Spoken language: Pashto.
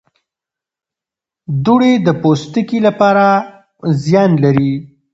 دوړې د پوستکي لپاره زیان لري.